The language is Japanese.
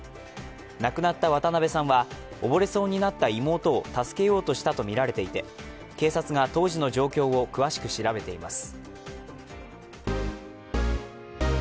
亡くなった渡邉さんは溺れそうになった妹を助けようとしたとみられていて、警察が当時の状況を詳しく調べています。